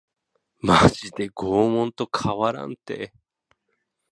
マジで拷問と変わらんて